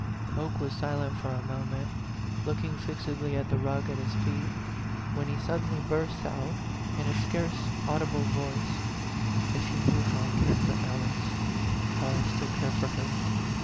Oke was silent for a moment, looking fix edly at the rug at his feet, when he suddenly burst out, in a scarce audible voice " If you knew how I cared for Alice how I still care for her!